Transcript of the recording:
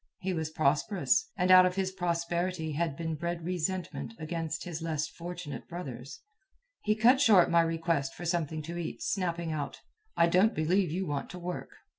He was prosperous, and out of his prosperity had been bred resentment against his less fortunate brothers. He cut short my request for something to eat, snapping out, "I don't believe you want to work."